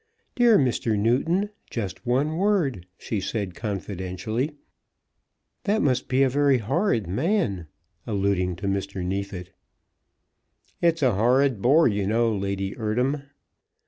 "Dear Mr. Newton, just one word," she said, confidentially, "that must be a very horrid man," alluding to Mr. Neefit. "It's a horrid bore, you know, Lady Eardham."